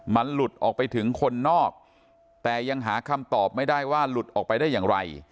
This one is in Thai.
มันหลุดออกไปถึงคนนอกแต่ยังหาคำตอบไม่ได้ว่าหลุดออกไปได้อย่างไร